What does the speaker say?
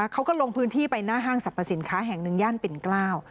เขาก็ลงพื้นที่ไปหน้าห้างสรรพสินค้าแห่งหนึ่งย่านปิ่นเกล้า